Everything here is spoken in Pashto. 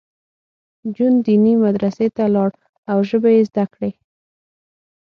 جون دیني مدرسې ته لاړ او ژبې یې زده کړې